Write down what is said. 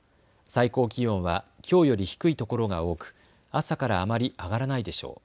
最高気温はきょうより低い所が多く朝からあまり上がらないでしょう。